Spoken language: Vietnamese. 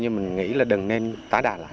nhưng mình nghĩ là đừng nên tá đà lại